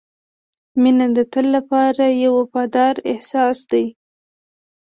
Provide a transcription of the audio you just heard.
• مینه د تل لپاره یو وفادار احساس دی.